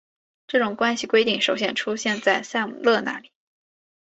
这种关系规定首先出现在塞姆勒那里。